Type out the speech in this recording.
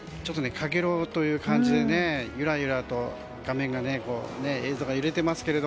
陽炎という感じでゆらゆらと画面、映像が揺れていますが。